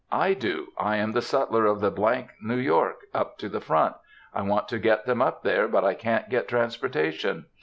"I do. I am the sutler of the —— New York, up to the front. I want to get them up there, but I can't get transportation."